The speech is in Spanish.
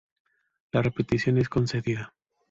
La petición es concedida.